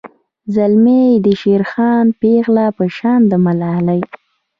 زلمي یی شیرخان پیغلۍ په شان د ملالۍ